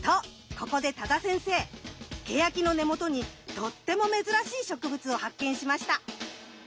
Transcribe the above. ここで多田先生ケヤキの根元にとっても珍しい植物を発見しました。